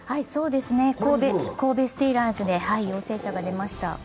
そうですね、神戸スティーラーズに陽性者が出ました。